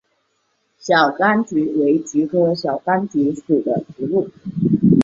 小甘菊为菊科小甘菊属的植物。